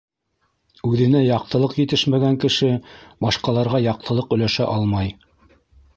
Үҙенә яҡтылыҡ етешмәгән кеше башҡаларға яҡтылыҡ өләшә алмай.